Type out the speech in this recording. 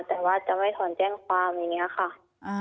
แต่ว่าจะไม่ถอนแจ้งความเงี้ยค่ะอ่า